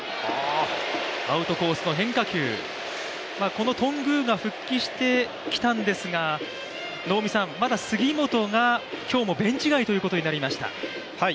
この頓宮が復帰してきたんですが、まだ杉本が今日もベンチ外ということになりました。